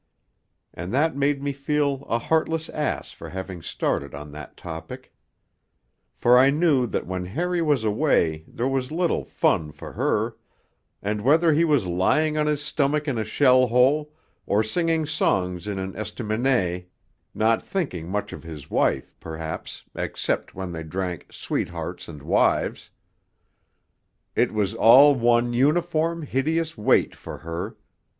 And that made me feel a heartless ass for having started on that topic. For I knew that when Harry was away there was little 'fun' for her; and whether he was lying on his stomach in a shell hole, or singing songs in an estaminet, not thinking much of his wife, perhaps, except when they drank 'Sweethearts and Wives' it was all one uniform, hideous wait for her.